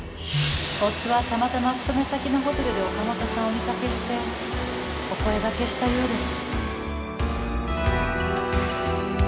夫はたまたま勤め先のホテルで岡本さんをお見かけしてお声掛けしたようです。